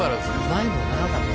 前も長かった。